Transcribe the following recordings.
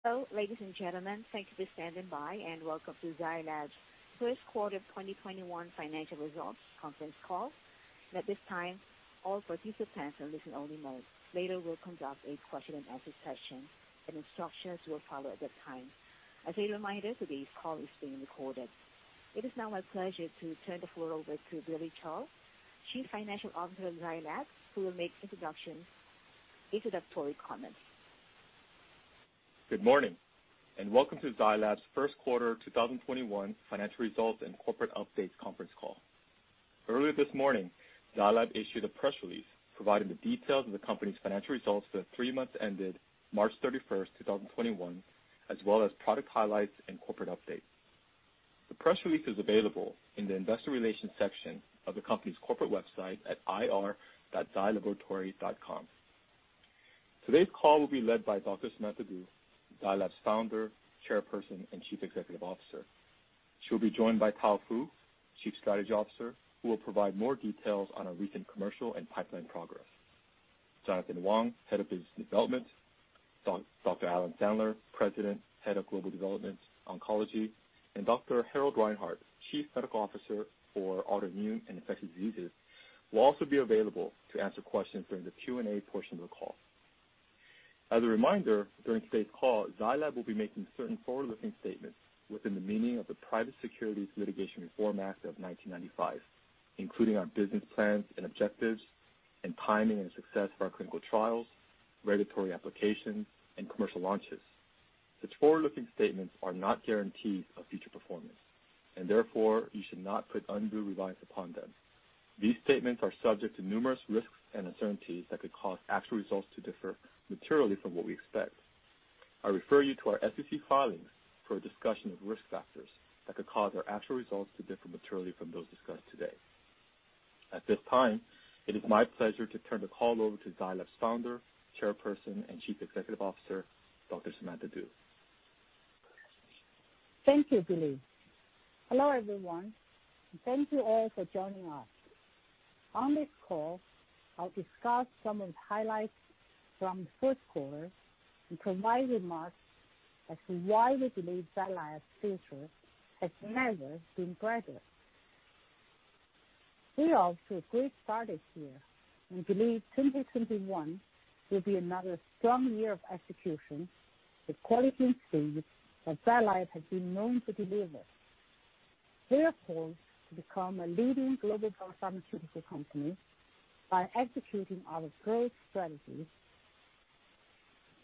Hello, ladies and gentlemen. Thanks for standing by, and welcome to Zai Lab's First Quarter of 2021 Financial Results Conference Call. At this time, all participants are in listen only mode. Later, we'll conduct a question and answer session, and instructions will follow at that time. As a reminder, today's call is being recorded. It is now my pleasure to turn the floor over to Billy Cho, Chief Financial Officer of Zai Lab, who will make introductory comments. Good morning, welcome to Zai Lab's First Quarter 2021 Financial Results and Corporate Updates Conference Call. Earlier this morning, Zai Lab issued a press release providing the details of the company's financial results for the three months ended March 31st, 2021, as well as product highlights and corporate updates. The press release is available in the investor relations section of the company's corporate website at ir.zailaboratory.com. Today's call will be led by Dr. Samantha Du, Zai Lab's Founder, Chairperson, and Chief Executive Officer. She'll be joined by Tao Fu, Chief Strategy Officer, who will provide more details on our recent commercial and pipeline progress. Jonathan Wang, Head of Business Development, Dr. Alan Sandler, President, Head of Global Development, Oncology, and Dr. Harald Reinhart, Chief Medical Officer for Autoimmune and Infectious Diseases, will also be available to answer questions during the Q&A portion of the call. As a reminder, during today's call, Zai Lab will be making certain forward-looking statements within the meaning of the Private Securities Litigation Reform Act of 1995, including our business plans and objectives and timing and success of our clinical trials, regulatory applications, and commercial launches. Such forward-looking statements are not guarantees of future performance, and therefore, you should not put undue reliance upon them. These statements are subject to numerous risks and uncertainties that could cause actual results to differ materially from what we expect. I refer you to our SEC filings for a discussion of risk factors that could cause our actual results to differ materially from those discussed today. At this time, it is my pleasure to turn the call over to Zai Lab's Founder, Chairperson, and Chief Executive Officer, Dr. Samantha Du. Thank you, Billy. Hello, everyone, and thank you all for joining us. On this call, I'll discuss some of the highlights from the first quarter and provide remarks as to why we believe Zai Lab's future has never been brighter. We are off to a great start this year and believe 2021 will be another strong year of execution. The quality and speed that Zai Lab has been known to deliver. We are poised to become a leading global pharmaceutical company by executing our growth strategies.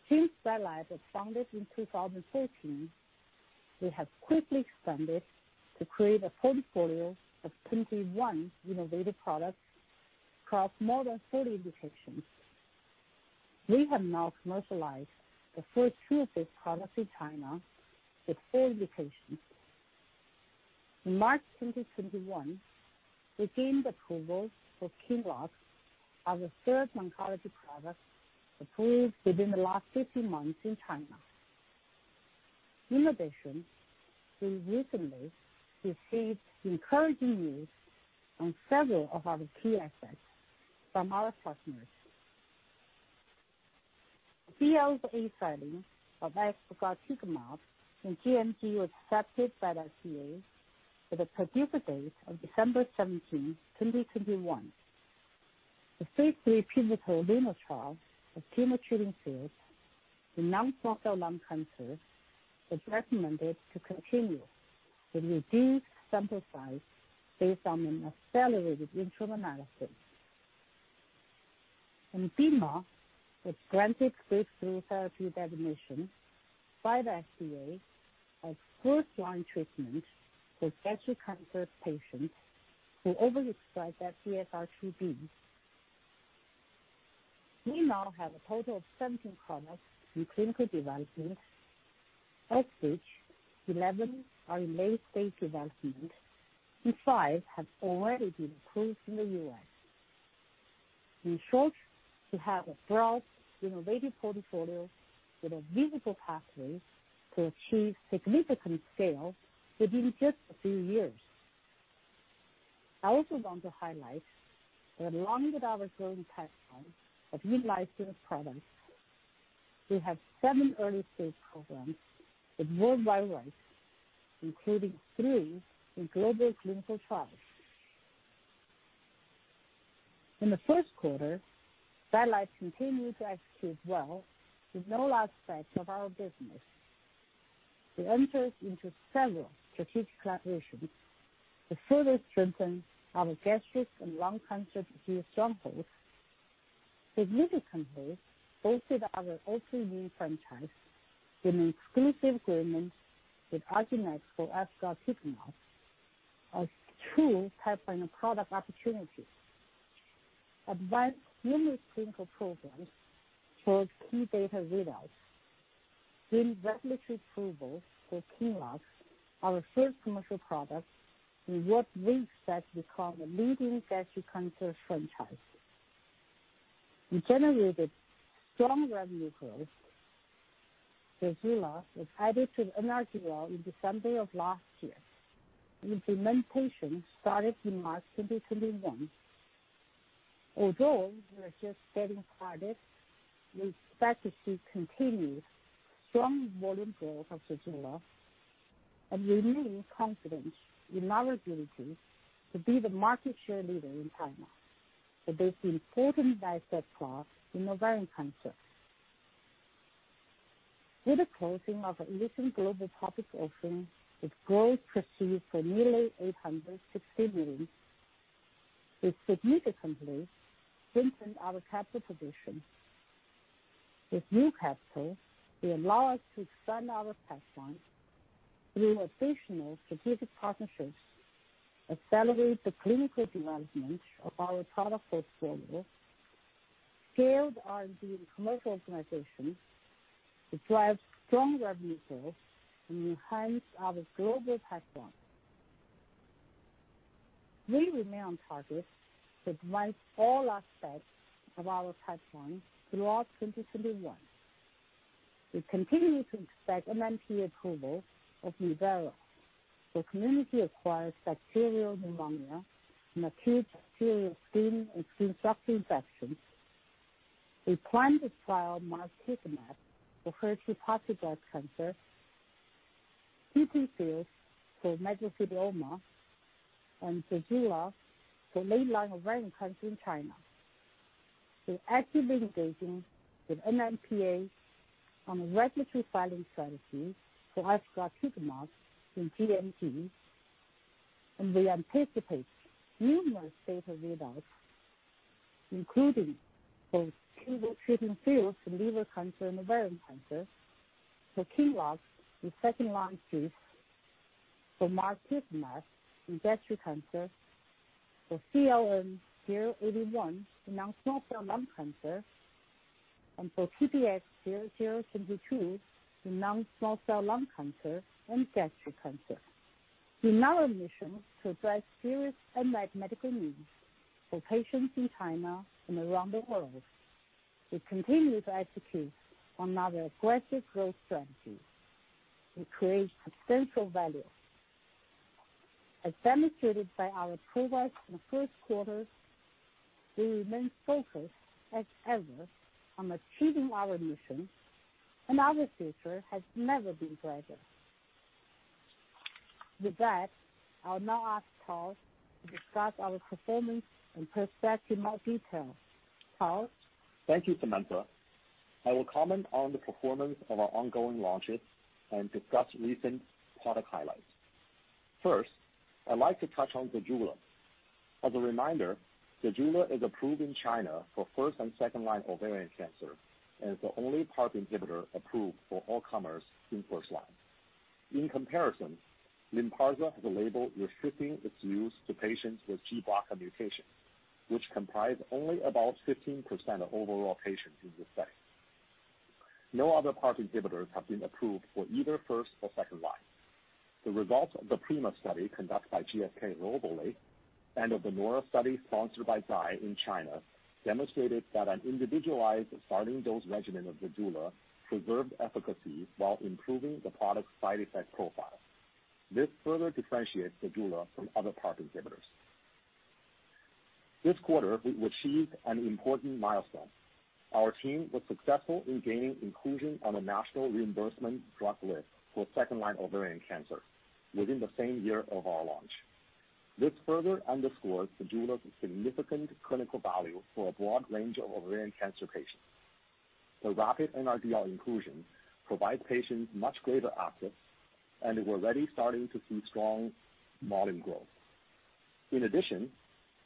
Since Zai Lab was founded in 2014, we have quickly expanded to create a portfolio of 21 innovative products across more than 40 indications. We have now commercialized the first two of these products in China with four indications. In March 2021, we gained approval for QINLOCK as a third oncology product approved within the last 15 months in China. In addition, we recently received encouraging news on several of our key assets from our partners. The BLA filing of efgartigimod and gMG was accepted by the FDA with a PDUFA date of December 17th, 2021. The phase III pivotal LUNAR trial of Tumor Treating Fields in non-small cell lung cancer is recommended to continue with a reduced sample size based on an accelerated interim analysis. Bemarituzumab was granted breakthrough therapy designation by the FDA as first-line treatment for gastric cancer patients who overexpress anti-FGFR2b. We now have a total of 17 products in clinical development, of which 11 are in late-stage development, and five have already been approved in the U.S. In short, we have a broad, innovative portfolio with a visible pathway to achieve significant scale within just a few years. I also want to highlight that along with our growing pipeline of utilized products, we have seven early-stage programs with worldwide rights, including three in global clinical trials. In the first quarter, Zai Lab continued to execute well with no aspect of our business. We entered into several strategic collaborations to further strengthen our gastric and lung cancer disease strongholds. Significantly boosted our I&I franchise with an exclusive agreement with argenx for efgartigimod a true pipeline-in-a-product opportunities. Advanced numerous clinical programs towards key data readouts. Gained regulatory approval for QINLOCK, our first commercial product in what we expect to become a leading gastric cancer franchise. We generated strong revenue growth with ZEJULA, which added to NRDL in December of last year, with enrollment patients started in March 2021. Although we are just getting started, we expect to see continued strong volume growth of ZEJULA and remain confident in our ability to be the market share leader in China and make important path in ovarian cancer. With the closing of our recent global public offering with gross proceeds of nearly $860 million, we significantly strengthened our capital position. With new capital, we allow us to expand our pipeline through additional strategic partnerships, accelerate the clinical development of our product portfolio, scale our R&D and commercial organizations to drive strong revenue growth and enhance our global pipeline. We remain on target to advance all aspects of our pipeline throughout 2021. We continue to expect NMPA approval of NUZYRA for community-acquired bacterial pneumonia and acute bacterial skin and skin structure infections. We plan to file margetuximab for HER2-positive breast cancer, TTFields for mesothelioma, and ZEJULA for late-line ovarian cancer in China. We're actively engaging with NMPA on a regulatory filing strategy for efgartigimod in gMG, and we anticipate numerous data readouts, including for Tumor Treating Fields for liver cancer and ovarian cancer, for KEYTRUDA with second-line GIST, for margetuximab in gastric cancer, for CLN-081 in non-small cell lung cancer, and for TPX-0022 in non-small cell lung cancer and gastric cancer. In our mission to address serious unmet medical needs for patients in China and around the world, we continue to execute on our aggressive growth strategy to create substantial value. As demonstrated by our progress in the first quarter, we remain focused as ever on achieving our mission, and our future has never been brighter. With that, I'll now ask Tao to discuss our performance and prospects in more detail. Tao? Thank you, Samantha. I will comment on the performance of our ongoing launches and discuss recent product highlights. First, I'd like to touch on ZEJULA. As a reminder, ZEJULA is approved in China for first and second line ovarian cancer and is the only PARP inhibitor approved for all comers in first line. In comparison, LYNPARZA has a label restricting its use to patients with gBRCA mutation, which comprise only about 15% of overall patients in this setting. No other PARP inhibitors have been approved for either first or second line. The results of the PRIMA study conducted by GSK globally and of the NORA study sponsored by Zai in China demonstrated that an individualized starting dose regimen of ZEJULA preserved efficacy while improving the product's side effect profile. This further differentiates ZEJULA from other PARP inhibitors. This quarter, we achieved an important milestone. Our team was successful in gaining inclusion on a national reimbursement drug list for second-line ovarian cancer within the same year of our launch. This further underscores ZEJULA's significant clinical value for a broad range of ovarian cancer patients. The rapid NRDL inclusion provides patients much greater access, and we're already starting to see strong volume growth. In addition,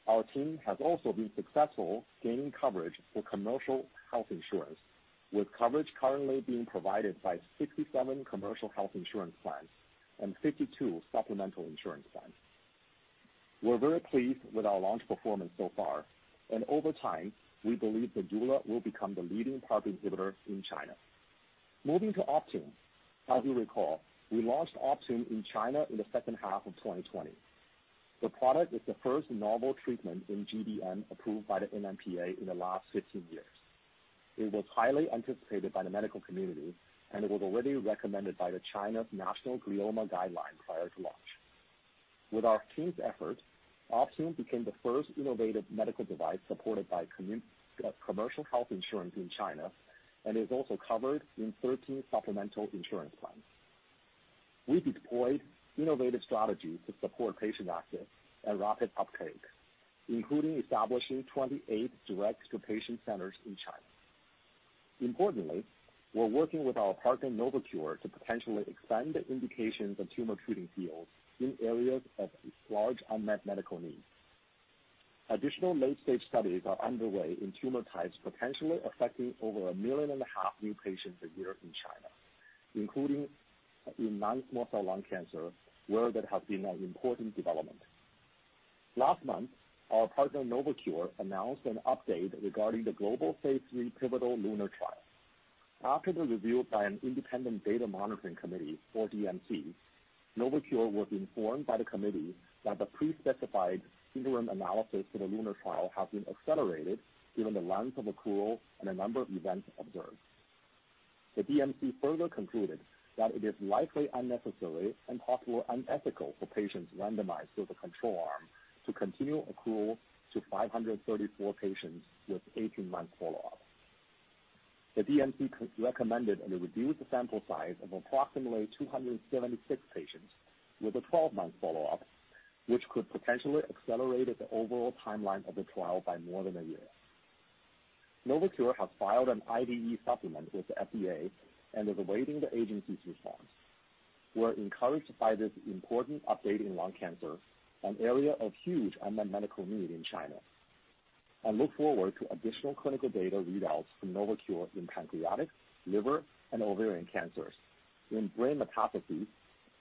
our team has also been successful gaining coverage for commercial health insurance, with coverage currently being provided by 67 commercial health insurance plans and 52 supplemental insurance plans. We're very pleased with our launch performance so far, and over time, we believe ZEJULA will become the leading PARP inhibitor in China. Moving to OPTUNE. As you recall, we launched OPTUNE in China in the second half of 2020. The product is the first novel treatment in GBM approved by the NMPA in the last 15 years. It was highly anticipated by the medical community, and it was already recommended by the China National Glioma Guideline prior to launch. With our team's effort, Optune became the first innovative medical device supported by commercial health insurance in China and is also covered in 13 supplemental insurance plans. We deployed innovative strategies to support patient access and rapid uptake, including establishing 28 direct-to-patient centers in China. Importantly, we're working with our partner, Novocure, to potentially expand the indications of Tumor Treating Fields in areas of large unmet medical needs. Additional late-stage studies are underway in tumor types, potentially affecting over 1.5 million new patients a year in China, including in non-small cell lung cancer, where that has been an important development. Last month, our partner, Novocure, announced an update regarding the global phase III pivotal LUNAR trial. After the review by an independent data monitoring committee or DMC, Novocure was informed by the committee that the pre-specified interim analysis for the LUNAR trial had been accelerated given the length of accrual and the number of events observed. The DMC further concluded that it is likely unnecessary and possibly unethical for patients randomized to the control arm to continue accrual to 534 patients with 18-month follow-up. The DMC recommended a reduced sample size of approximately 276 patients with a 12-month follow-up, which could potentially accelerate the overall timeline of the trial by more than a year. Novocure has filed an IDE supplement with the FDA and is awaiting the agency's response. We're encouraged by this important update in lung cancer, an area of huge unmet medical need in China, and look forward to additional clinical data readouts from Novocure in pancreatic, liver, and ovarian cancers, in brain metastases,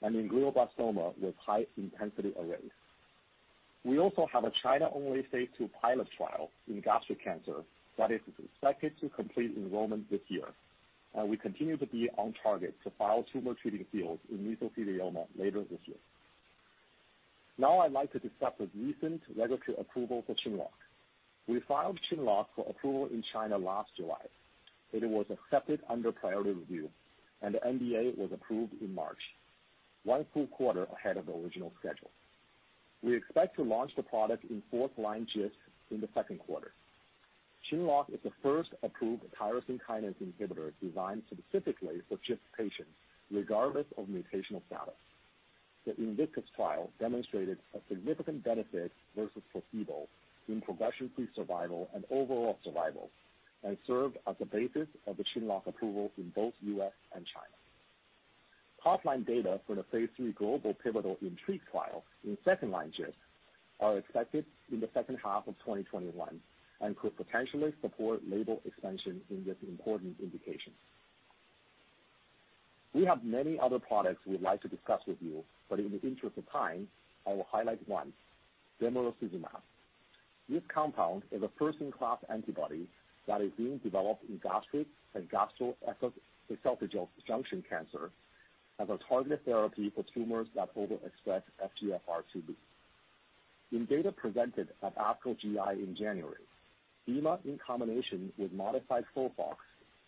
and in glioblastoma with high-intensity arrays. We also have a China-only phase II pilot trial in gastric cancer that is expected to complete enrollment this year, and we continue to be on target to file Tumor Treating Fields in mesothelioma later this year. Now I'd like to discuss the recent regulatory approval for QINLOCK. We filed QINLOCK for approval in China last July, and it was accepted under priority review, and the NDA was approved in March, one full quarter ahead of the original schedule. We expect to launch the product in fourth-line GIST in the second quarter. QINLOCK is the first approved tyrosine kinase inhibitor designed specifically for GIST patients, regardless of mutational status. The INVICTUS trial demonstrated a significant benefit versus placebo in progression-free survival and overall survival and served as the basis of the QINLOCK approval in both U.S. and China. Topline data for the phase III global pivotal INTRIGUE trial in second-line GIST are expected in the second half of 2021 and could potentially support label expansion in this important indication. We have many other products we'd like to discuss with you, in the interest of time, I will highlight one, bemarituzumab. This compound is a first-in-class antibody that is being developed in gastric and gastroesophageal junction cancer as a targeted therapy for tumors that overexpress FGFR2b. In data presented at ASCO GI in January, bema in combination with modified FOLFOX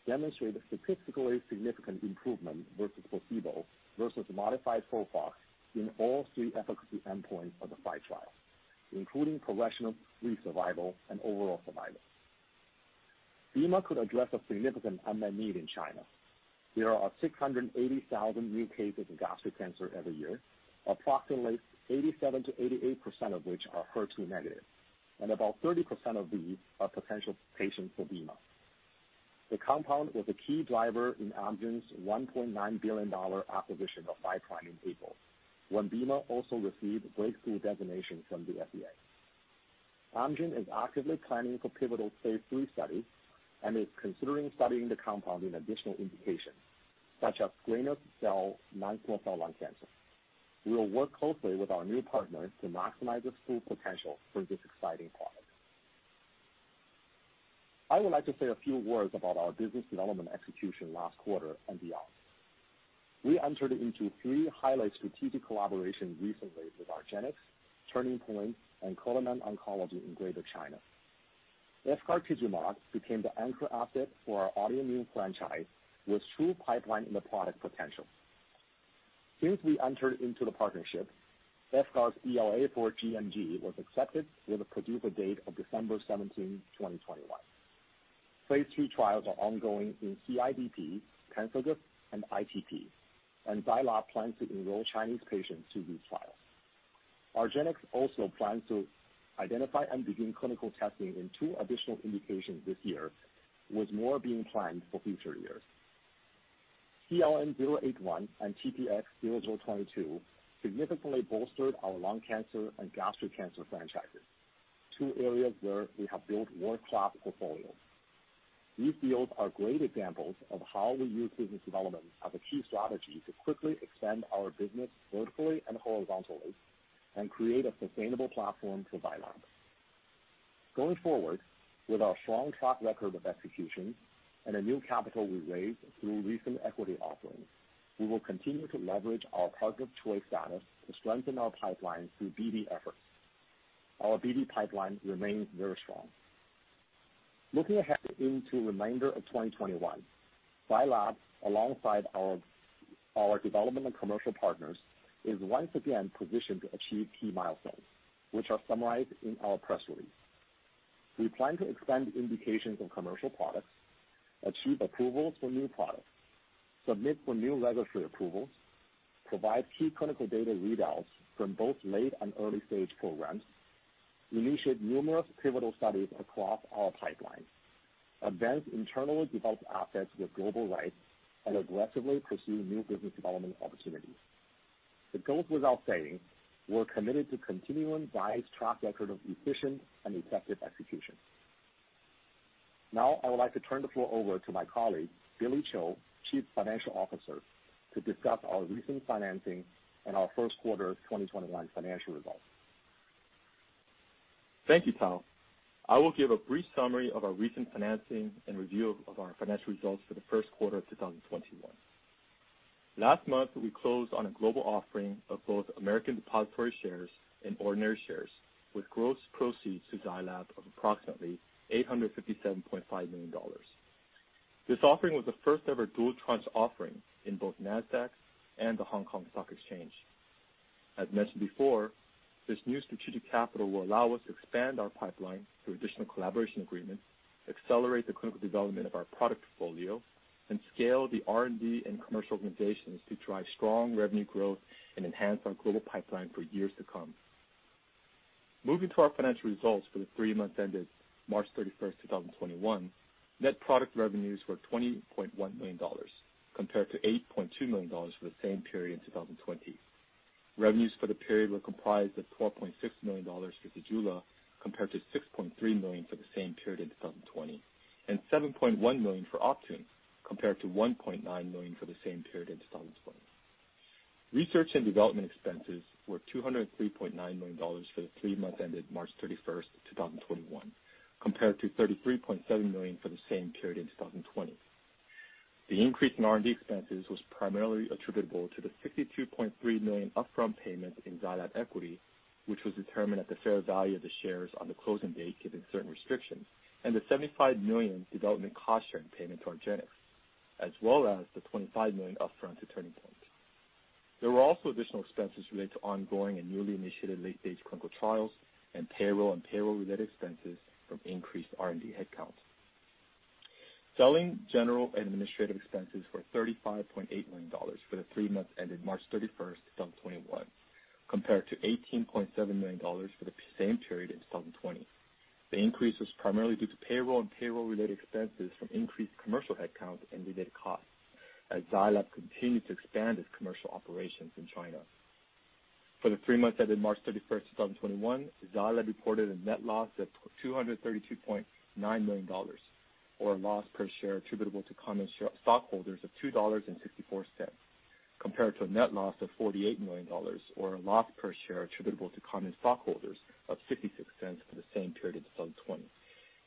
demonstrated statistically significant improvement versus placebo versus modified FOLFOX in all three efficacy endpoints of the FIGHT trial, including progression-free survival and overall survival. Bema could address a significant unmet need in China. There are 680,000 new cases of gastric cancer every year, approximately 87%-88% of which are HER2-negative, and about 30% of these are potential patients for bema. The compound was a key driver in Amgen's $1.9 billion acquisition of Five Prime in April, when bema also received breakthrough designation from the FDA. Amgen is actively planning for pivotal phase III studies and is considering studying the compound in additional indications, such as squamous cell, non-small cell lung cancer. We will work closely with our new partners to maximize the full potential for this exciting product. I would like to say a few words about our business development execution last quarter and beyond. We entered into three highlight strategic collaborations recently with argenx, Turning Point, and Cullinan Oncology in Greater China. Efgartigimod became the anchor asset for our autoimmune franchise with true pipeline-in-the-product potential. Since we entered into the partnership, efgartigimod's BLA for gMG was accepted with a PDUFA date of December 17, 2021. phase II trials are ongoing in CIDP, pemphigus, and ITP, and Zai Lab plans to enroll Chinese patients to these trials. Argenx also plans to identify and begin clinical testing in two additional indications this year, with more being planned for future years. CLN-081 and TPX-0022 significantly bolstered our lung cancer and gastric cancer franchises, two areas where we have built world-class portfolios. These deals are great examples of how we use business development as a key strategy to quickly expand our business vertically and horizontally and create a sustainable platform for Zai Lab. Going forward, with our strong track record of execution and the new capital we raised through recent equity offerings, we will continue to leverage our partner of choice status to strengthen our pipeline through BD efforts. Our BD pipeline remains very strong. Looking ahead into the remainder of 2021, Zai Lab, alongside our development and commercial partners, is once again positioned to achieve key milestones, which are summarized in our press release. We plan to expand indications in commercial products, achieve approvals for new products, submit for new regulatory approvals, provide key clinical data readouts from both late and early-stage programs, initiate numerous pivotal studies across our pipeline, advance internally developed assets with global rights, and aggressively pursue new business development opportunities. It goes without saying, we're committed to continuing Zai's track record of efficient and effective execution. I would like to turn the floor over to my colleague, Billy Cho, Chief Financial Officer, to discuss our recent financing and our first quarter 2021 financial results. Thank you, Tao. I will give a brief summary of our recent financing and review of our financial results for the first quarter of 2021. Last month, we closed on a global offering of both American depository shares and ordinary shares with gross proceeds to Zai Lab of approximately $857.5 million. This offering was the first-ever dual tranche offering in both NASDAQ and the Hong Kong Stock Exchange. As mentioned before, this new strategic capital will allow us to expand our pipeline through additional collaboration agreements, accelerate the clinical development of our product portfolio, and scale the R&D and commercial organizations to drive strong revenue growth and enhance our global pipeline for years to come. Moving to our financial results for the three months ended March 31st, 2021, net product revenues were $20.1 million compared to $8.2 million for the same period in 2020. Revenues for the period were comprised of $12.6 million for ZEJULA, compared to $6.3 million for the same period in 2020, and $7.1 million for OPTUNE, compared to $1.9 million for the same period in 2020. Research and development expenses were $203.9 million for the three months ended March 31st, 2021, compared to $33.7 million for the same period in 2020. The increase in R&D expenses was primarily attributable to the $62.3 million upfront payment in Zai Lab equity, which was determined at the fair value of the shares on the closing date, given certain restrictions, and the $75 million development cost share and payment to argenx, as well as the $25 million upfront to Turning Point. There were also additional expenses related to ongoing and newly initiated late-stage clinical trials and payroll and payroll-related expenses from increased R&D headcounts. Selling, general, and administrative expenses were $35.8 million for the three months ended March 31st, 2021, compared to $18.7 million for the same period in 2020. The increase was primarily due to payroll and payroll-related expenses from increased commercial headcounts and related costs as Zai Lab continued to expand its commercial operations in China. For the three months ended March 31st, 2021, Zai Lab reported a net loss of $232.9 million, or a loss per share attributable to common stockholders of $2.64, compared to a net loss of $48 million or a loss per share attributable to common stockholders of $0.56 for the same period in 2020.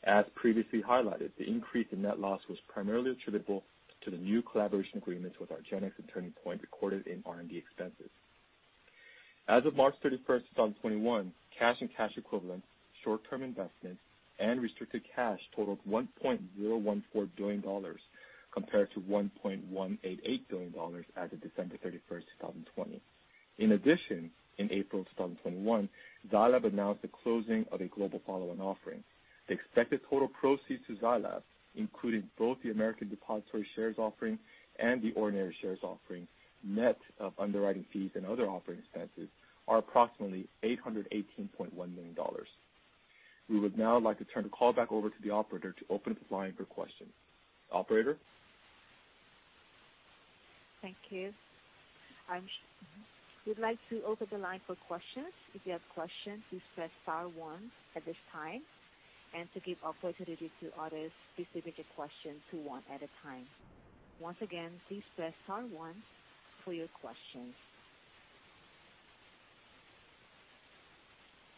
As previously highlighted, the increase in net loss was primarily attributable to the new collaboration agreements with argenx and Turning Point recorded in R&D expenses. As of March 31st, 2021, cash and cash equivalents, short-term investments, and restricted cash totaled $1.014 billion, compared to $1.188 billion as of December 31st, 2020. In addition, in April 2021, Zai Lab announced the closing of a global follow-on offering. The expected total proceeds to Zai Lab, including both the American Depository Shares offering and the ordinary shares offering, net of underwriting fees and other offering expenses, are approximately $818.1 million. We would now like to turn the call back over to the operator to open up the line for questions. Operator? Thank you. We'd like to open the line for questions. If you have questions, please press star one at this time and to give opportunity to others, please limit your questions to one at a time. Once again, please press star one for your questions.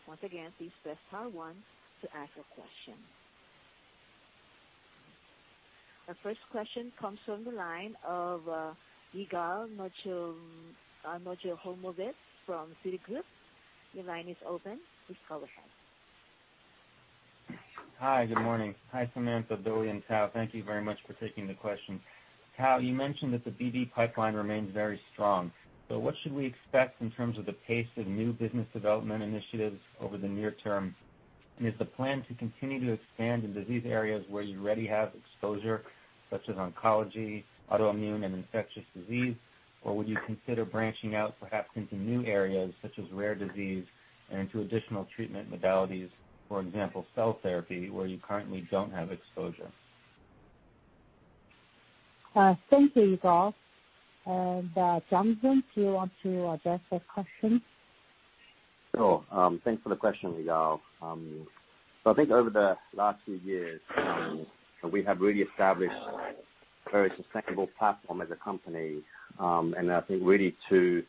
Once again, please press star one to ask a question. Our first question comes from the line of Yigal Nochomovitz from Citigroup. Your line is open. Please go ahead. Hi, good morning. Hi, Samantha, Billy, and Tao. Thank you very much for taking the question. Tao, you mentioned that the BD pipeline remains very strong. What should we expect in terms of the pace of new business development initiatives over the near term? Is the plan to continue to expand in disease areas where you already have exposure, such as oncology, Autoimmune and Infectious Diseases, or would you consider branching out perhaps into new areas such as rare disease and into additional treatment modalities, for example, cell therapy, where you currently don't have exposure? Thank you, Yigal. Jonathan, do you want to address that question? Sure. Thanks for the question, Yigal. I think over the last few years, we have really established a very sustainable platform as a company, and I think really to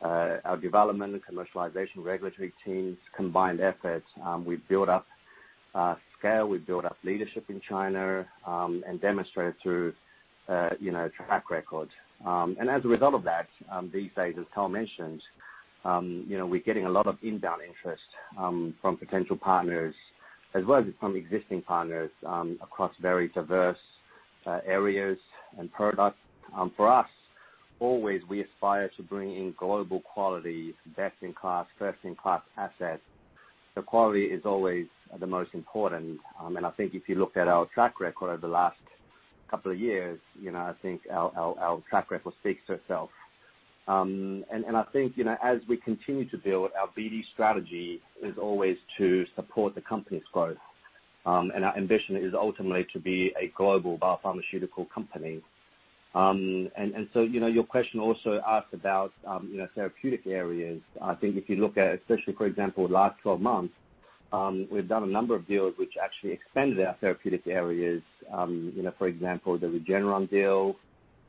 our development and commercialization regulatory teams' combined efforts. We've built up scale, we've built up leadership in China, and demonstrated through track record. As a result of that, these days, as Tao mentioned, we're getting a lot of inbound interest from potential partners as well as from existing partners across very diverse areas and products. For us, always, we aspire to bring in global quality, best-in-class, first-in-class assets. Quality is always the most important. I think if you look at our track record over the last couple of years, I think our track record speaks for itself. I think as we continue to build, our BD strategy is always to support the company's growth. Our ambition is ultimately to be a global biopharmaceutical company. Your question also asked about therapeutic areas. I think if you look at, especially, for example, the last 12 months, we've done a number of deals which actually expanded our therapeutic areas. For example, the Regeneron deal,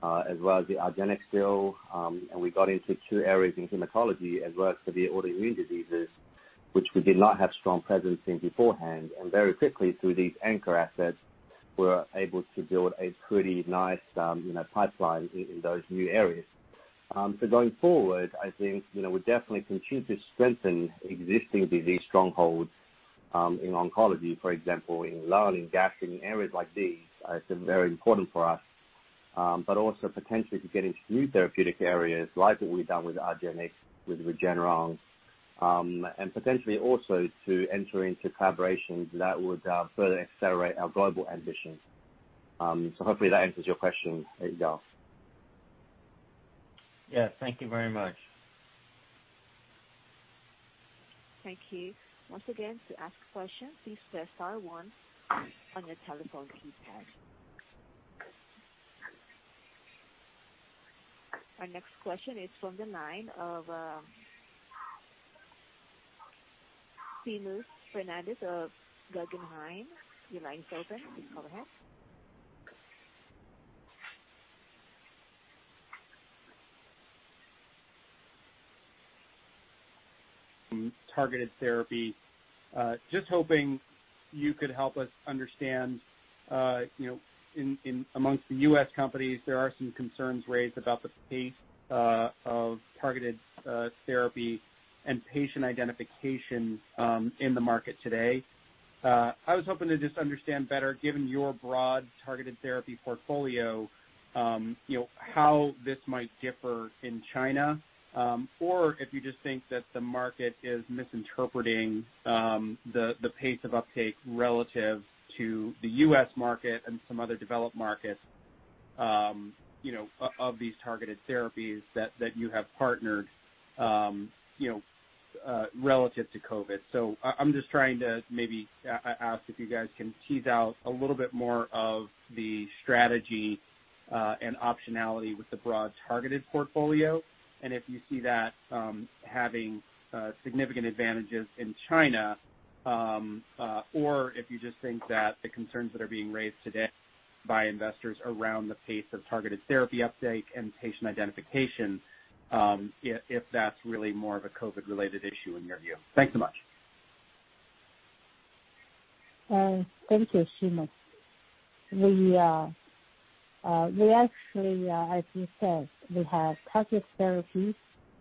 as well as the argenx deal. We got into two areas in hematology as well as for the autoimmune diseases, which we did not have strong presence in beforehand. Very quickly, through these anchor assets, we're able to build a pretty nice pipeline in those new areas. Going forward, I think we definitely continue to strengthen existing disease strongholds, in oncology, for example, in lung, in gastric, in areas like these, it's very important for us. Also potentially to get into new therapeutic areas like what we've done with odronextamab, with Regeneron, and potentially also to enter into collaborations that would further accelerate our global ambitions. Hopefully that answers your question, Yigal. Yeah. Thank you very much. Thank you. Once again, to ask questions, please press star one on your telephone keypad. Our next question is from the line of Seamus Fernandez of Guggenheim. Your line's open. Please go ahead. Targeted therapy. Just hoping you could help us understand, amongst the U.S. companies, there are some concerns raised about the pace of targeted therapy and patient identification in the market today. I was hoping to just understand better, given your broad targeted therapy portfolio, how this might differ in China, or if you just think that the market is misinterpreting the pace of uptake relative to the U.S. market and some other developed markets of these targeted therapies that you have partnered relative to COVID. I'm just trying to maybe ask if you guys can tease out a little bit more of the strategy and optionality with the broad targeted portfolio, and if you see that having significant advantages in China, or if you just think that the concerns that are being raised today by investors around the pace of targeted therapy uptake and patient identification, if that's really more of a COVID-related issue in your view. Thanks so much. Thank you, Seamus. We actually, as you said, we have targeted therapies.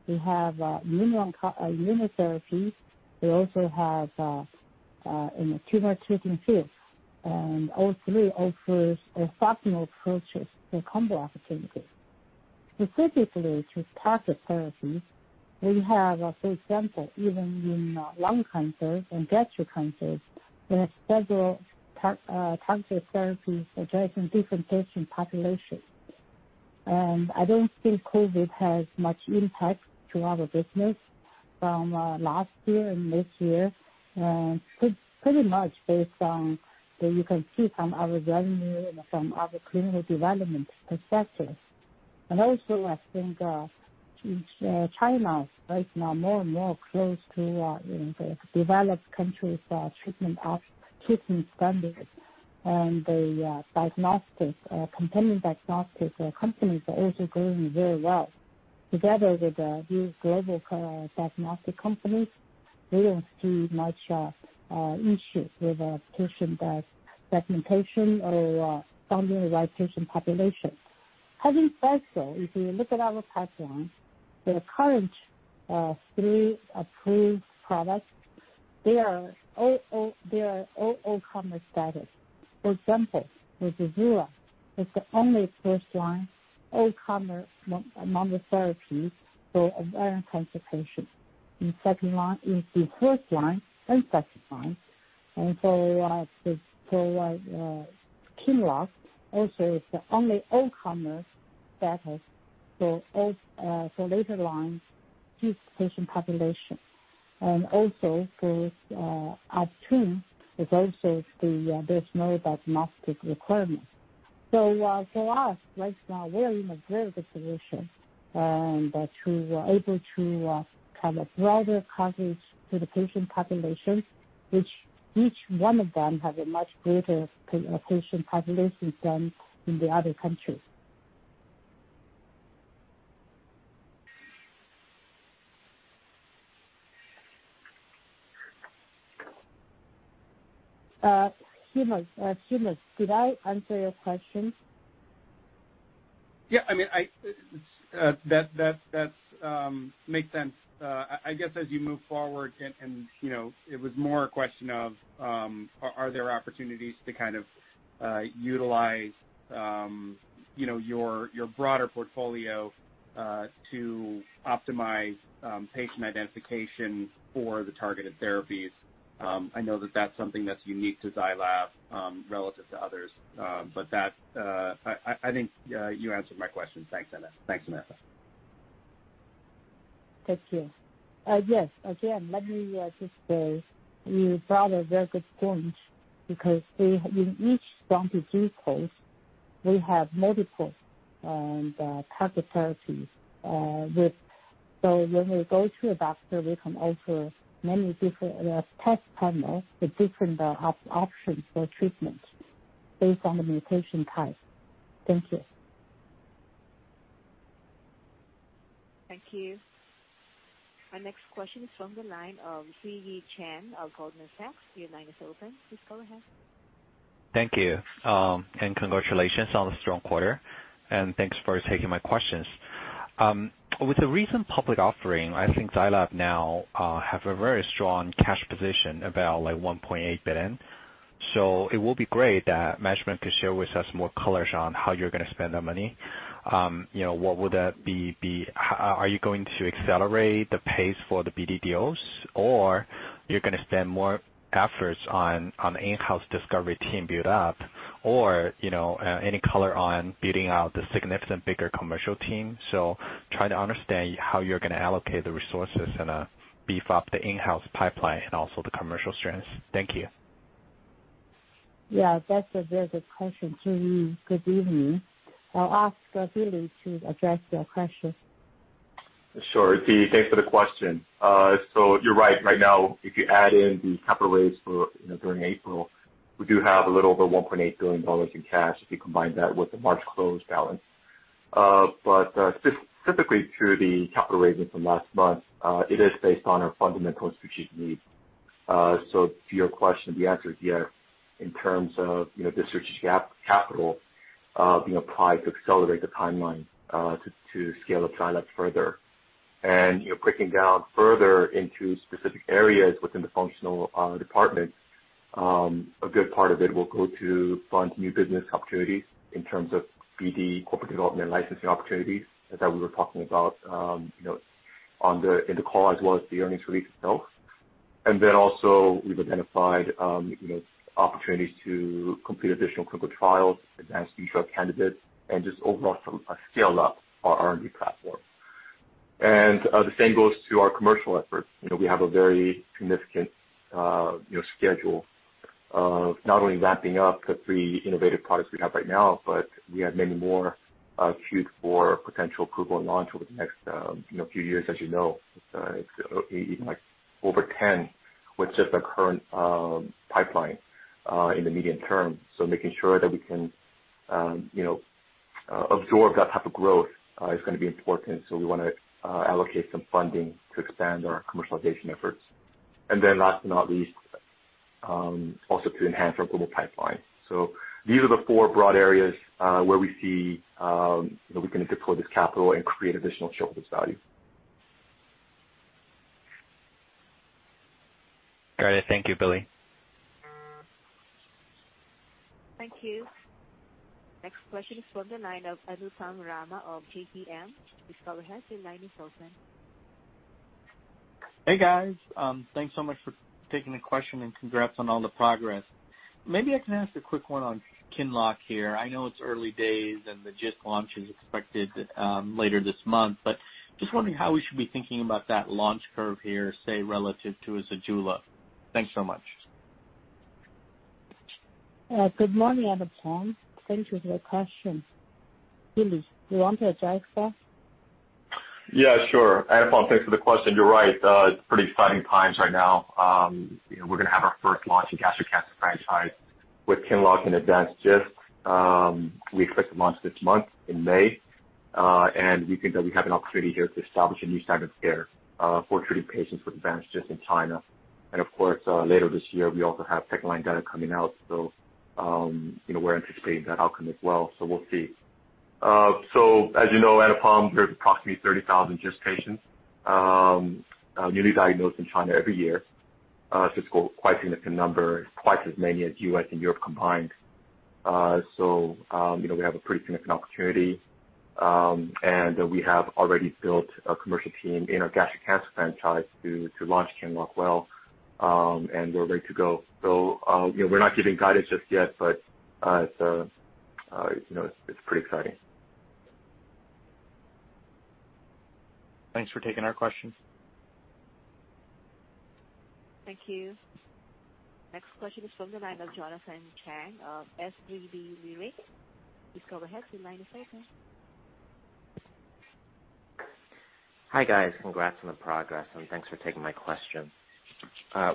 We have immunotherapy. We also have Tumor Treating Fields. All three offers exceptional approaches for combo opportunities. Specifically to targeted therapies, we have, for example, even in lung cancers and gastric cancers, there are several targeted therapies addressing different patient populations. I don't think COVID has much impact to our business from last year and this year, pretty much based on that you can see from our revenue and from our clinical development successes. I think China is right now more and more close to the developed countries' treatment standards and the companion diagnostics companies are also growing very well. Together with these global diagnostic companies, we don't see much issue with patient segmentation or finding the right patient population. Having said so, if you look at our pipeline, the current three approved products, they are all all-comer status. For example, with ZEJULA, it's the only first-line, all-comer monotherapy for ovarian cancer patients in first line and second line. For QINLOCK, also it's the only all-comer status for later line patient population. For OPTUNE, there's no diagnostic requirement. For us right now, we're in a very good position to able to have a broader coverage to the patient populations, which each one of them have a much greater patient population than in the other countries. Seamus, did I answer your question? Yeah. That makes sense. I guess as you move forward, it was more a question of are there opportunities to utilize your broader portfolio to optimize patient identification for the targeted therapies. I know that that's something that's unique to Zai Lab relative to others. I think you answered my question. Thanks Zai Lab. Thanks, Samantha. Thank you. Yes. Let me just say you brought a very good point because in each one of disease, we have multiple targeted therapies. When we go to a doctor, we can offer many different test panels with different options for treatment based on the mutation type. Thank you. Thank you. Our next question is from the line of Ziyi Chen of Goldman Sachs. Your line is open. Please go ahead. Thank you, and congratulations on the strong quarter, and thanks for taking my questions. With the recent public offering, I think Zai Lab now have a very strong cash position, about $1.8 billion. It will be great that management could share with us more colors on how you're going to spend that money. What would that be? Are you going to accelerate the pace for the BD deals, or you're going to spend more efforts on in-house discovery team build-up or any color on building out the significant bigger commercial team? Trying to understand how you're going to allocate the resources and beef up the in-house pipeline and also the commercial strengths. Thank you. Yeah, that's a very good question, Ziyi. Good evening. I'll ask Billy to address your question. Sure. Ziyi, thanks for the question. You're right. Right now, if you add in the capital raise during April, we do have a little over $1.8 billion in cash if you combine that with the March close balance. Specifically through the capital raising from last month, it is based on our fundamental strategic needs. To your question, the answer is yes, in terms of research capital being applied to accelerate the timeline to scale up Zai Lab further. Breaking down further into specific areas within the functional departments, a good part of it will go to fund new business opportunities in terms of BD corporate development licensing opportunities that we were talking about in the call as well as the earnings release itself. Also we've identified opportunities to complete additional clinical trials, advance future candidates, and just overall scale up our R&D platform. The same goes to our commercial efforts. We have a very significant schedule of not only ramping up the three innovative products we have right now, but we have many more queued for potential approval and launch over the next few years. As you know, it's over 10 with just the current pipeline in the medium term. Making sure that we can absorb that type of growth is going to be important. We want to allocate some funding to expand our commercialization efforts. Last but not least, also to enhance our global pipeline. These are the four broad areas where we see that we can deploy this capital and create additional shareholder value. Got it. Thank you, Billy. Thank you. Next question is from the line of Anupam Rama of JPMorgan. Please go ahead, your line is open. Hey, guys. Thanks so much for taking the question and congrats on all the progress. Maybe I can ask a quick one on QINLOCK here. I know it's early days and the GIST launch is expected later this month, just wondering how we should be thinking about that launch curve here, say, relative to ZEJULA. Thanks so much. Good morning, Anupam. Thank you for your question. Billy, you want to address that? Yeah, sure. Anupam, thanks for the question. You're right. It's pretty exciting times right now. We're going to have our first launch in gastric cancer franchise with QINLOCK in advanced GIST. We expect to launch this month in May, and we think that we have an opportunity here to establish a new standard of care for treating patients with advanced GIST in China. Of course, later this year, we also have tech line data coming out. We're anticipating that outcome as well. We'll see. As you know, Anupam, there's approximately 30,000 GIST patients newly diagnosed in China every year. It's quite significant number. It's quite as many as U.S. and Europe combined. We have a pretty significant opportunity, and we have already built a commercial team in our gastric cancer franchise to launch QINLOCK well, and we're ready to go. We're not giving guidance just yet, but it's pretty exciting. Thanks for taking our questions. Thank you. Next question is from the line of Jonathan Chang of SVB Leerink. Please go ahead. Your line is open. Hi, guys. Congrats on the progress and thanks for taking my question.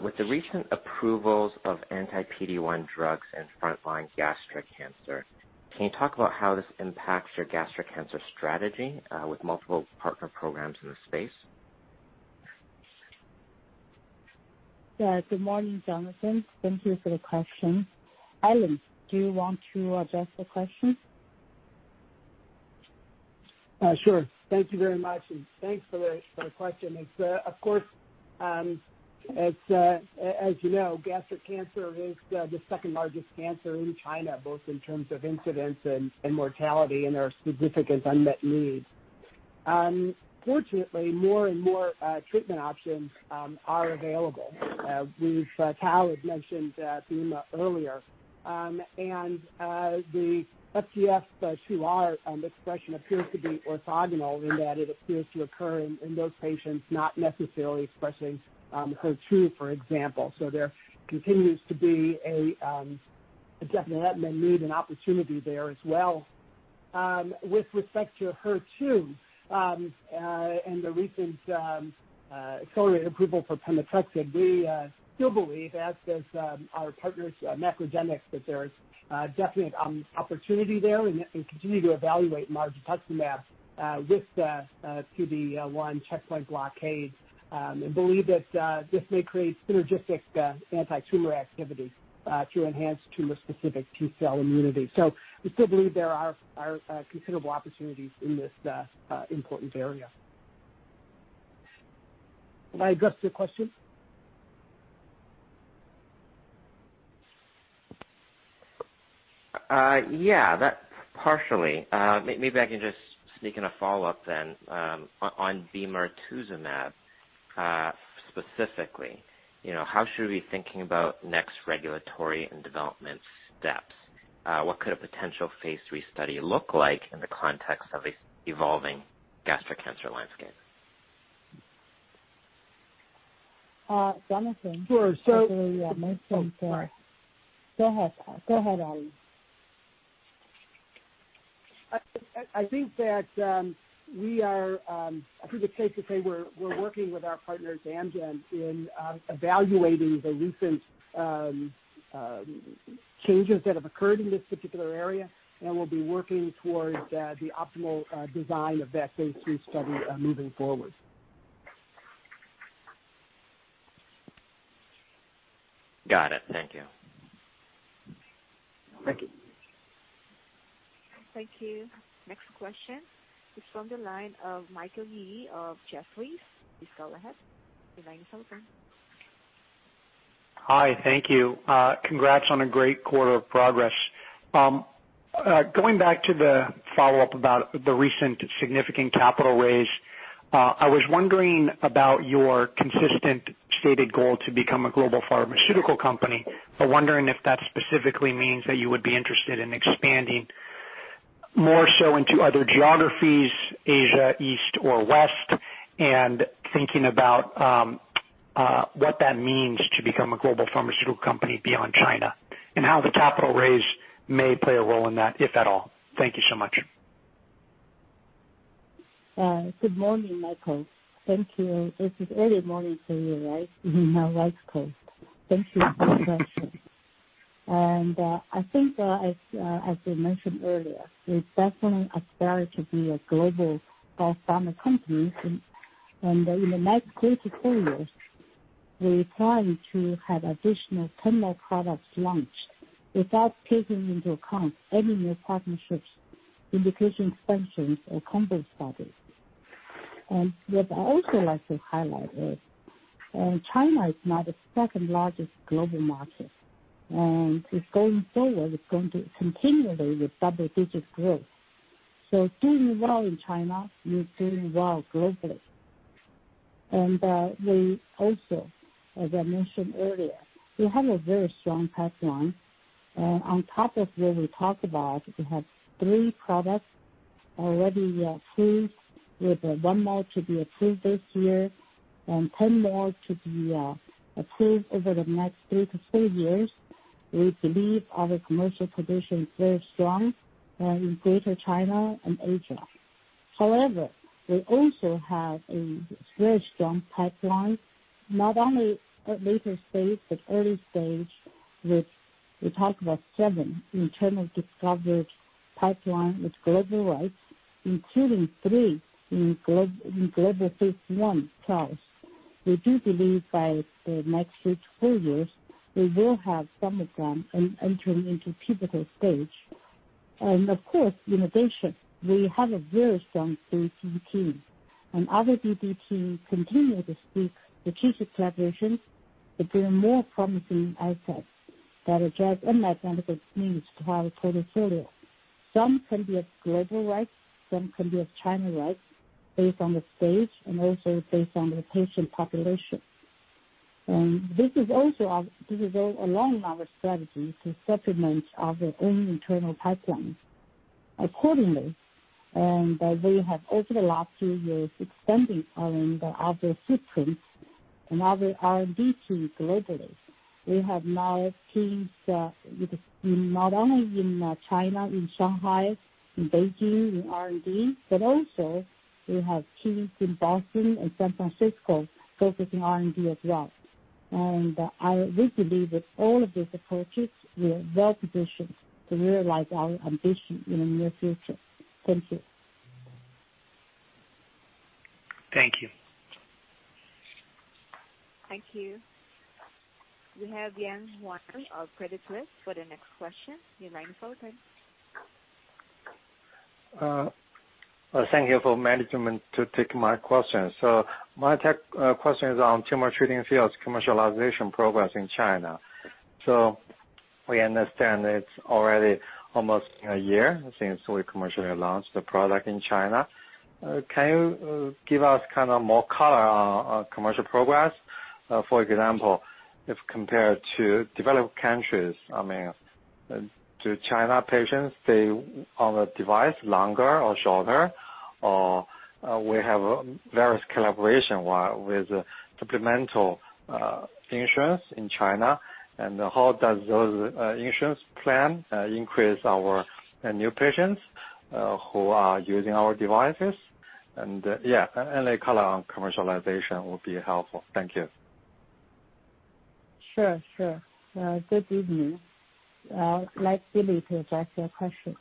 With the recent approvals of anti-PD-1 drugs in frontline gastric cancer, can you talk about how this impacts your gastric cancer strategy with multiple partner programs in the space? Yeah. Good morning, Jonathan. Thank you for the question. Alan, do you want to address the question? Sure. Thank you very much, thanks for the question. Of course, as you know, gastric cancer is the second largest cancer in China, both in terms of incidence and mortality, there are significant unmet needs. Fortunately, more and more treatment options are available, which Tao had mentioned earlier. The FGFR2b expression appears to be orthogonal in that it appears to occur in those patients not necessarily expressing HER2, for example. There continues to be a definite unmet need and opportunity there as well. With respect to HER2 and the recent accelerated approval for [pemetrexed], we still believe, as does our partners, MacroGenics, that there's definite opportunity there, continue to evaluate margetuximab with PD-1 checkpoint blockade, believe that this may create synergistic anti-tumor activity to enhance tumor-specific T-cell immunity. We still believe there are considerable opportunities in this important area. Did I address your question? Yeah. Partially. Maybe I can just sneak in a follow-up then. On bemarituzumab specifically, how should we be thinking about next regulatory and development steps? What could a potential phase III study look like in the context of an evolving gastric cancer landscape? Jonathan. Sure. Definitely can. Oh, sorry. Go ahead. Go ahead, Alan. I think it's safe to say we're working with our partners, Amgen, in evaluating the recent changes that have occurred in this particular area, and we'll be working towards the optimal design of that phase III study moving forward. Got it. Thank you. Thank you. Thank you. Next question is from the line of Michael Yee of Jefferies. Please go ahead. Your line is open. Hi. Thank you. Congrats on a great quarter of progress. Going back to the follow-up about the recent significant capital raise, I was wondering about your consistent stated goal to become a global pharmaceutical company. I'm wondering if that specifically means that you would be interested in expanding more so into other geographies, Asia, East or West, and thinking about what that means to become a global pharmaceutical company beyond China, and how the capital raise may play a role in that, if at all. Thank you so much. Good morning, Michael. Thank you. It is early morning for you, right? West Coast. Thank you for the question. I think as we mentioned earlier, we definitely aspire to be a global biopharma company. In the next three to four years, we plan to have additional 10 more products launched without taking into account any new partnerships, indication expansions, or combo studies. What I also like to highlight is China is now the second largest global market, and it's going forward, it's going to continually with double-digit growth. Doing well in China means doing well globally. We also, as I mentioned earlier, we have a very strong pipeline. On top of what we talked about, we have three products already approved, with one more to be approved this year and 10 more to be approved over the next three to four years. We believe our commercial position is very strong in Greater China and Asia. We also have a very strong pipeline, not only at later stage, but early stage, which we talk about seven internal discovered pipeline with global rights, including three in global phase I trials. We do believe by the next three to four years, we will have some of them entering into pivotal stage. Of course, innovation. We have a very strong BD team, our BD team continue to seek strategic collaborations to bring more promising assets that address unmet medical needs to our portfolio. Some can be of global rights, some can be of China rights based on the stage and also based on the patient population. This is also along our strategy to supplement our own internal pipelines accordingly. We have over the last few years expanded our other footprints and our R&D team globally. We have now teams not only in China, in Shanghai, in Beijing, in R&D, but also we have teams in Boston and San Francisco focusing R&D as well. We believe with all of these approaches, we are well-positioned to realize our ambition in the near future. Thank you. Thank you. Thank you. We have Yang Huang of Credit Suisse for the next question. Your line is open. Thank you for management to take my question. My question is on Tumor Treating Fields commercialization progress in China. We understand it's already almost a year since we commercially launched the product in China. Can you give us more color on commercial progress? For example, if compared to developed countries, do China patients stay on the device longer or shorter? We have various collaboration with supplemental insurance in China. How does those insurance plan increase our new patients who are using our devices? Yeah, any color on commercialization would be helpful. Thank you. Sure. Good evening. I'll let Billy to address your question.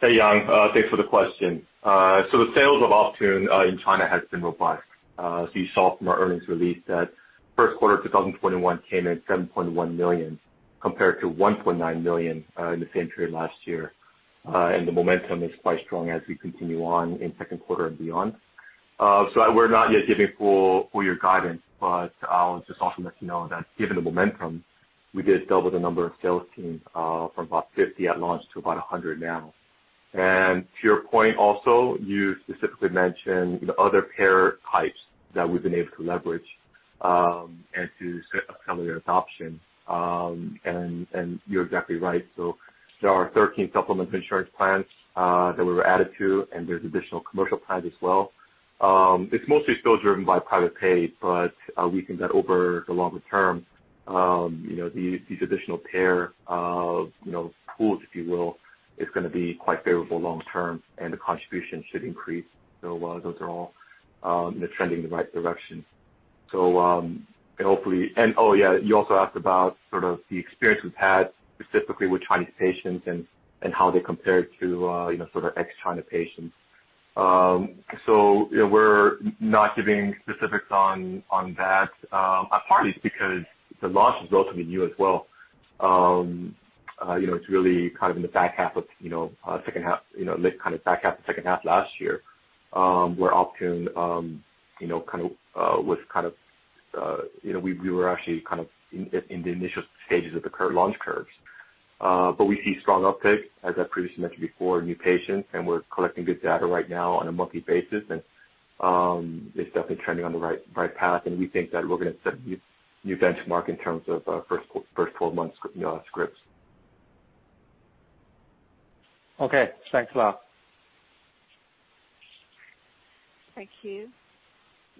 Hey, Yang. Thanks for the question. The sales of OPTUNE in China has been robust. You saw from our earnings release that first quarter 2021 came in $7.1 million, compared to $1.9 million in the same period last year. The momentum is quite strong as we continue on in second quarter and beyond. We're not yet giving full year guidance, but I'll just also let you know that given the momentum, we did double the number of sales teams, from about 50 at launch to about 100 now. To your point also, you specifically mentioned the other payer types that we've been able to leverage and to set up some of their adoption. You're exactly right. There are 13 supplement insurance plans that we were added to, and there's additional commercial plans as well. It's mostly still driven by private pay, but we think that over the longer term, these additional payer pools, if you will, is going to be quite favorable long-term, and the contribution should increase. Those are all trending the right direction. Hopefully you also asked about sort of the experience we've had specifically with Chinese patients and how they compare to ex-China patients. We're not giving specifics on that, partly because the launch is relatively new as well. It's really in the back half of second half last year, where we were actually in the initial stages of the current launch curves. We see strong uptake, as I previously mentioned before, new patients, and we're collecting good data right now on a monthly basis. It's definitely trending on the right path, and we think that we're going to set a new benchmark in terms of first 12 months scripts. Okay. Thanks a lot. Thank you.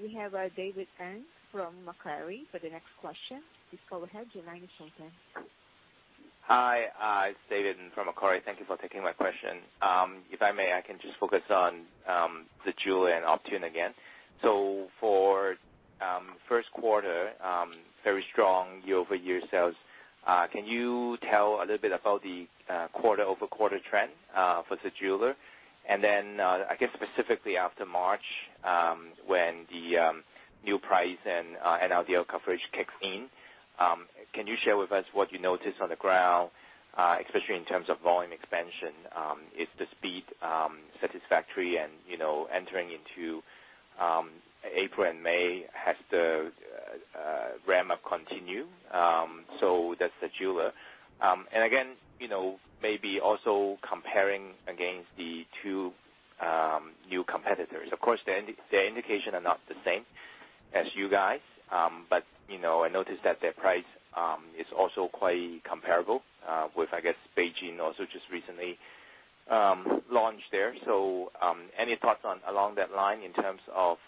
We have David Ng from Macquarie for the next question. Please go ahead. Your line is open. Hi, it's David from Macquarie. Thank you for taking my question. If I may, I can just focus on the ZEJULA and OPTUNE again. For first quarter, very strong year-over-year sales. Can you tell a little bit about the quarter-over-quarter trend for ZEJULA? I guess specifically after March, when the new price and NRDL coverage kicks in, can you share with us what you notice on the ground, especially in terms of volume expansion? Is the speed satisfactory and entering into April and May has the ramp-up continue? That's ZEJULA. Again, maybe also comparing against the two new competitors. Of course, their indications are not the same as you guys. I noticed that their price is also quite comparable with, I guess, BeiGene also just recently launched there. Any thoughts along that line in terms of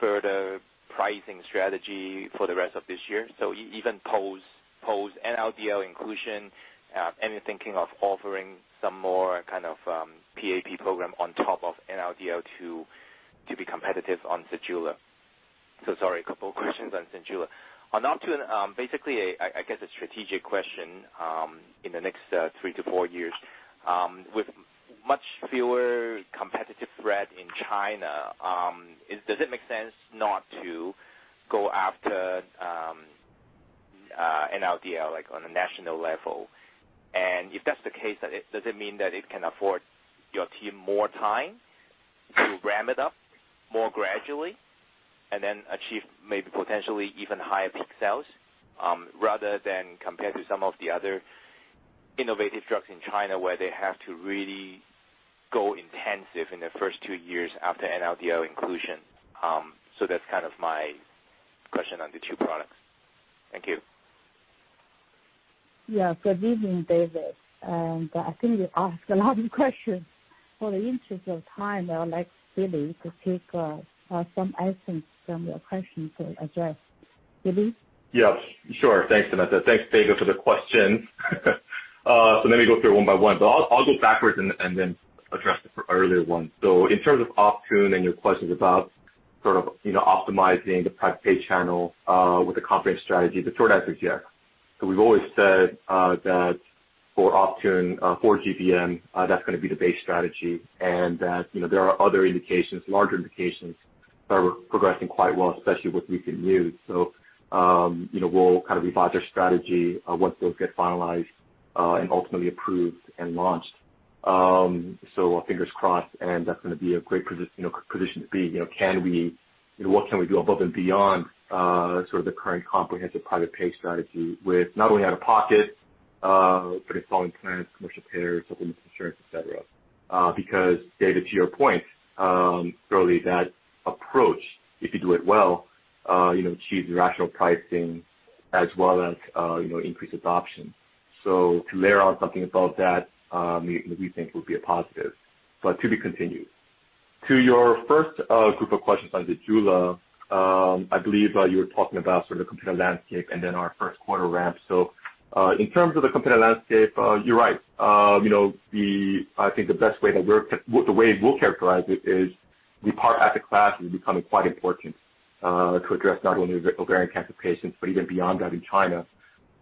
further pricing strategy for the rest of this year? Even post-NRDL inclusion, any thinking of offering some more kind of PAP program on top of NRDL to be competitive on ZEJULA? Sorry, a couple of questions on ZEJULA. On OPTUNE, basically, I guess, a strategic question, in the next three to four years, with much fewer competitive threat in China, does it make sense not to go after NRDL, like, on a national level? If that's the case, does it mean that it can afford your team more time to ramp it up more gradually and then achieve maybe potentially even higher peak sales, rather than compared to some of the other innovative drugs in China where they have to really go intensive in the first two years after NRDL inclusion? That's my question on the two products. Thank you. Yeah. Good evening, David. I think you asked a lot of questions. For the interest of time, I would like Billy to take some essence from your question to address. Billy? Yeah. Sure. Thanks, Samantha. Thanks, David, for the question. Let me go through it one by one. I'll go backwards and then address the earlier one. In terms of OPTUNE and your questions about sort of optimizing the private pay channel with a comprehensive strategy, the short answer is yes. We've always said that for OPTUNE, for GBM, that's going to be the base strategy and that there are other indications, larger indications that are progressing quite well, especially with weakened immune. We'll revise our strategy once those get finalized, and ultimately approved and launched. Fingers crossed, and that's going to be a great position to be. What can we do above and beyond sort of the current comprehensive private pay strategy with not only out-of-pocket, but installment plans, commercial payers, government insurance, et cetera. Because David, to your point, certainly that approach, if you do it well, achieves rational pricing as well as increased adoption. To layer on something above that, we think would be a positive, but to be continued. To your first group of questions on ZEJULA, I believe you were talking about sort of the competitive landscape and then our first quarter ramp. In terms of the competitive landscape, you're right. I think the way we'll characterize it is the PARP asset class is becoming quite important to address not only ovarian cancer patients, but even beyond that in China.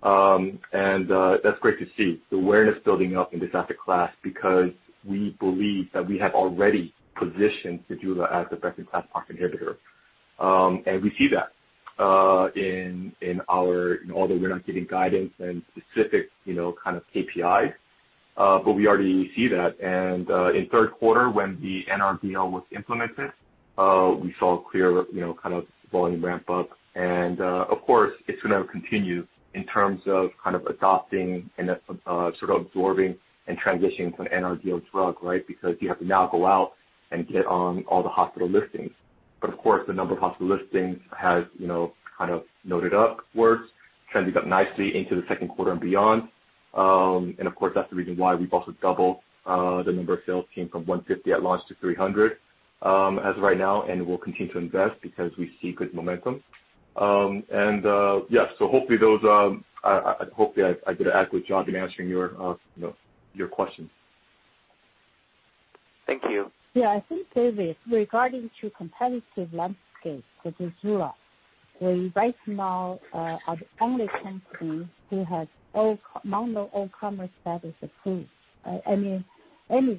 That's great to see the awareness building up in this asset class because we believe that we have already positioned ZEJULA as a best-in-class PARP inhibitor, and we see that. Although we're not giving guidance and specific kind of KPI, but we already see that. In third quarter, when the NRDL was implemented, we saw a clear kind of volume ramp up. Of course, it's going to continue in terms of kind of adopting and sort of absorbing and transitioning to an NRDL drug, right? Because you have to now go out and get on all the hospital listings. Of course, the number of hospital listings has kind of noted upwards, trending up nicely into the second quarter and beyond. Of course, that's the reason why we've also doubled the number of sales team from 150 at launch to 300 as of right now. We'll continue to invest because we see good momentum. Yes, so hopefully I did an adequate job in answering your questions. Thank you. Yeah, I think, David, regarding to competitive landscape for ZEJULA, we right now are the only company who has mono all-comer-status approved, any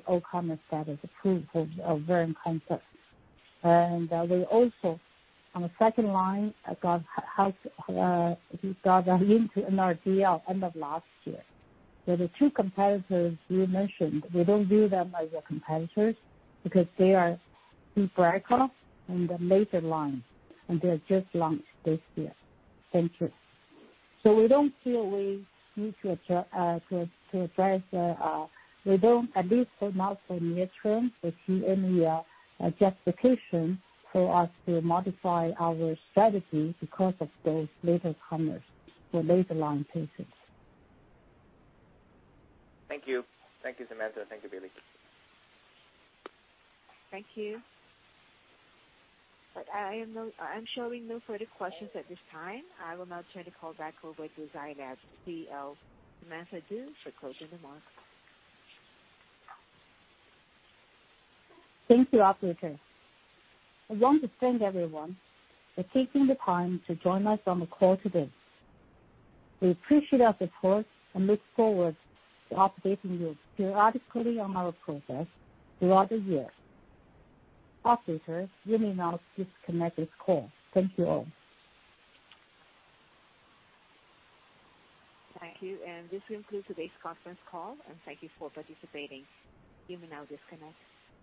all-comer status approved for ovarian cancer. we also, on the second line, got linked to NRDL end of last year. the two competitors you mentioned, we don't view them as our competitors because they are in BRCA and a later line, and they just launched this year. Thank you. we don't feel we need to address. We don't, at least for now, for near term, we see any justification for us to modify our strategy because of those latercomers for later line patients. Thank you. Thank you, Samantha. Thank you, Billy. Thank you. I'm showing no further questions at this time. I will now turn the call back over to Zai Lab CEO, Samantha Du, for closing remarks. Thank you, operator. I want to thank everyone for taking the time to join us on the call today. We appreciate your support and look forward to updating you periodically on our progress throughout the year. Operator, you may now disconnect this call. Thank you all. Thank you. This concludes today's conference call, and thank you for participating. You may now disconnect.